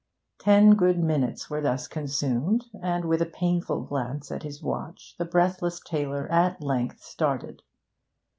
Ten good minutes were thus consumed, and with a painful glance at his watch the breathless tailor at length started.